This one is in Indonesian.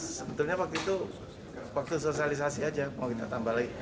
sebetulnya waktu itu waktu sosialisasi aja mau kita tambah lagi